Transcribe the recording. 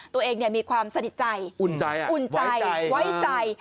ตัวเองมีความสนิทใจอุ่นใจไว้ใจ